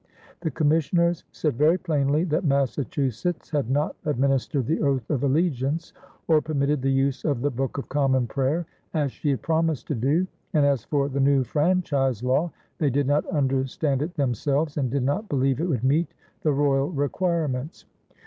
The commissioners said very plainly that Massachusetts had not administered the oath of allegiance or permitted the use of the Book of Common Prayer, as she had promised to do, and, as for the new franchise law, they did not understand it themselves and did not believe it would meet the royal requirements.